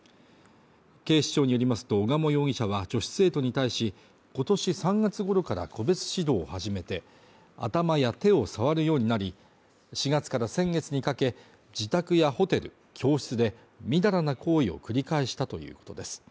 警視庁によりますと小鴨容疑者は女子生徒に対し今年３月頃から個別指導を始めて頭や手を触るようになり４月から先月にかけ自宅やホテル、教室でみだらな行為を繰り返したということです